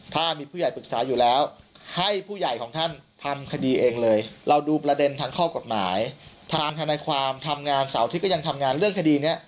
ถ้ามีผู้ใหญ่ปรึกษาอยู่แล้วให้ผู้ใหญ่ของท่านทำคดีเองเลยเราดูประเด็นทางข้อกฎหมายทางธนายความทำงานเสาร์ทก็ยังทำงานเรื่องคดีนี้